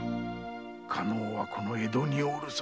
加納はこの江戸におるぞ。